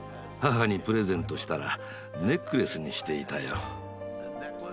母にプレゼントしたらネックレスにしていたよ。